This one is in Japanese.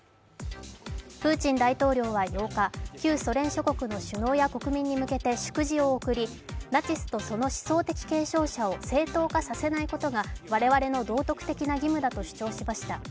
プーチン大統領は８日旧ソ連祖国の首脳や国民に向けて祝辞を送り、ナチスとその思想的継承者を正当化させないことが我々の道徳的な義務だと主張しました。